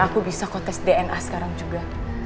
aku bisa kontes dna sekarang juga